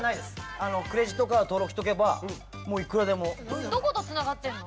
クレジットカード登録しておけばもういくらでも。どことつながってるの？